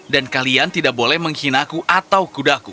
dan kalian tidak boleh menghina aku atau kudaku